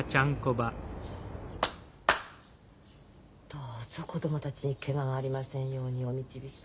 どうぞ子供たちにケガがありませんようにお導きください。